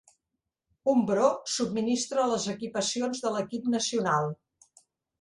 Umbro subministra les equipacions de l'equip nacional.